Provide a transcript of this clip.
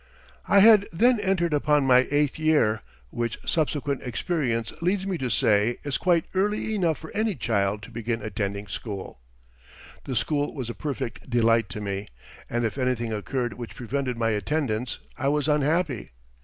I had then entered upon my eighth year, which subsequent experience leads me to say is quite early enough for any child to begin attending school. [Footnote 8: It was known as Rolland School.] The school was a perfect delight to me, and if anything occurred which prevented my attendance I was unhappy.